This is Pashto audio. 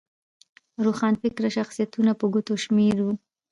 روښانفکره شخصیتونه په ګوتو شمېر وو.